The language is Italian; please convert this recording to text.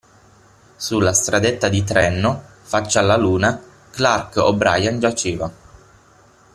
Sulla stradetta di Trenno, faccia alla luna, Clark O' Brian giaceva.